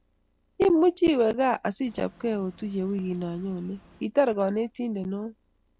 Imuchi iwe gaa asichobkei otuye wikit nenyoni . Kitar Kanentindet neo